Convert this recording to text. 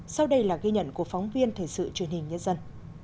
sau đây là ghi nhận của phóng viên thời sự truyền hình nhân dân